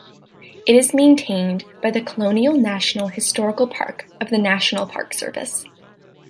It is maintained by the Colonial National Historical Park of the National Park Service.